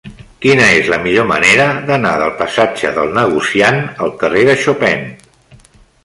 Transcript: Quina és la millor manera d'anar del passatge del Negociant al carrer de Chopin?